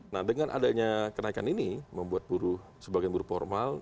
nah dengan adanya kenaikan ini membuat buruh sebagian buruh formal